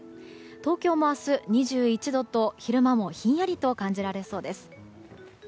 東京も明日、２１度と昼間もひんやりと感じられそうです。